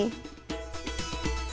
terima kasih pak